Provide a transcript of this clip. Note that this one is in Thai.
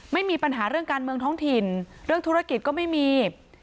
ไม่มีปัญหาเรื่องการเมืองท้องถิ่นเรื่องธุรกิจก็ไม่มี